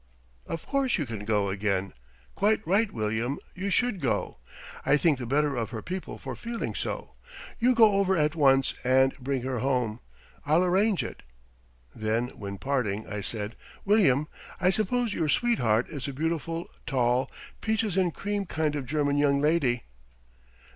"Of course you can go again. Quite right, William, you should go. I think the better of her people for feeling so. You go over at once and bring her home. I'll arrange it." Then, when parting, I said: "William, I suppose your sweetheart is a beautiful, tall, 'peaches and cream' kind of German young lady."